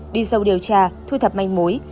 đi sâu điều tra thu thập manh mối